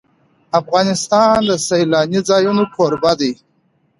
افغانستان د سیلانی ځایونه کوربه دی.